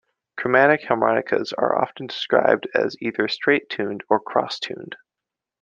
Chromatic harmonicas are often described as either "straight tuned" or "cross tuned".